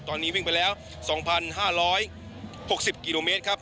ตอนนี้วิ่งไปแล้ว๒๕๖๐กิโลเมตรครับ